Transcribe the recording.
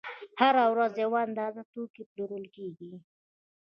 هره ورځ یوه اندازه توکي پلورل کېږي